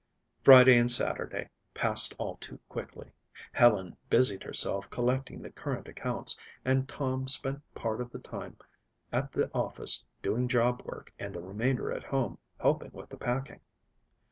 Friday and Saturday passed all too quickly. Helen busied herself collecting the current accounts and Tom spent part of the time at the office doing job work and the remainder at home helping with the packing.